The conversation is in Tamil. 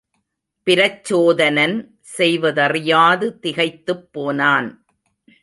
பிரச்சோதனன் செய்வதறியாது திகைத்துப் போனான்.